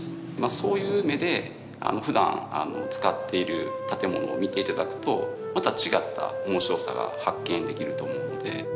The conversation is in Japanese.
そういう目でふだん使っている建物を見ていただくとまた違った面白さが発見できると思うので。